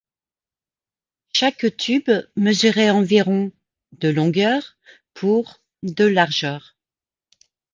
Chaque tube mesurait environ de longueur pour de largeur.